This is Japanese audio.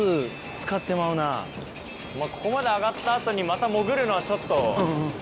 ここまで上がった後にまた潜るのはちょっと。